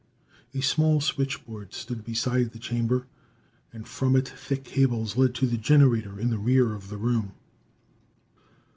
A small switchboard stood beside the chamber, and from it thick cables led to the generator in the rear of the room.